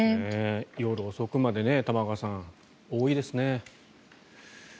夜遅くまで、玉川さん多いですね。